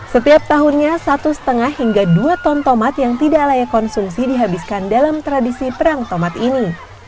setiap tahunnya satu lima hingga dua ton tomat yang tidak layak konsumsi dihabiskan dalam tradisi perang tomat ini